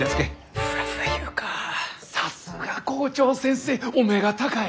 さすが校長先生お目が高い！